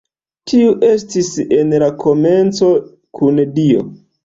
Tiu estis en la komenco kun Dio.